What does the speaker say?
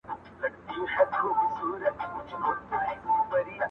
زما او ستا تر منځ یو نوم د شراکت دئ!